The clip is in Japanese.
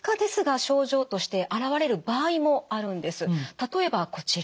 例えばこちら。